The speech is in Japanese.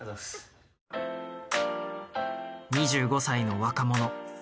２５歳の若者。